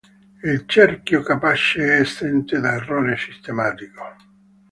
Il cerchio capace è esente da errore sistematico.